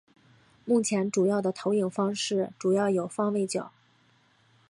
目前主要的投影方式主要有方位角。